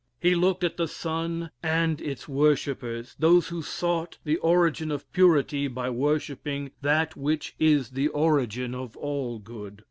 He looked at the sun and its worshippers those who sought the origin of purity by worshipping that which is the origin of all good.